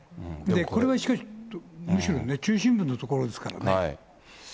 これはしかし、むしろね、中心部の所ですからね。